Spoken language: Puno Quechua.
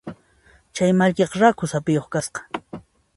Chay mallkiqa rakhu saphiyuq kasqa.